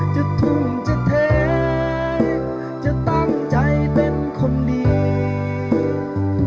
ทุ่มจะเทจะตั้งใจเป็นคนเดียว